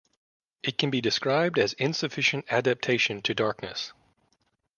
It can be described as insufficient adaptation to darkness.